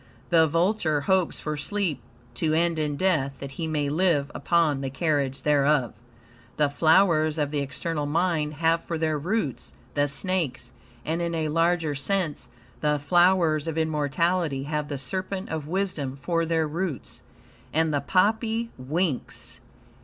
The vulture hopes for sleep to end in death, that he may live upon the carrion thereof. The flowers of the external mind have for their roots the snakes; and, in a larger sense, the flowers of immortality have the serpent of wisdom for their roots. And the poppy winks.